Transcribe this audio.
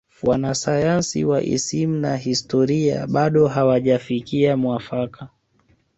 wanasayansi wa isimu na historia bado hawajafikia mwafaka